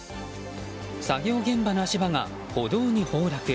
作業現場の足場が歩道に崩落。